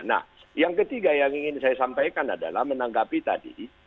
nah yang ketiga yang ingin saya sampaikan adalah menanggapi tadi